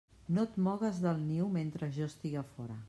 No et mogues del niu mentre jo estiga fora.